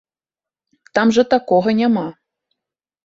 Там жа такога няма.